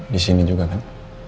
disini juga kan